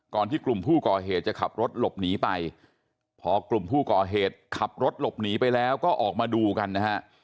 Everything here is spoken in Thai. ที่กลุ่มผู้ก่อเหตุจะขับรถหลบหนีไปพอกลุ่มผู้ก่อเหตุขับรถหลบหนีไปแล้วก็ออกมาดูกันนะฮะ